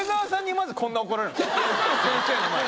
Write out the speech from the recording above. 先生の前に。